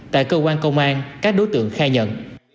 tại cơ quan công an các đối tượng khai nhận